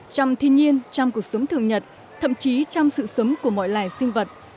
trong thiên nhiên trong cuộc sống thường nhật thậm chí trong sự sống của mọi loài sinh vật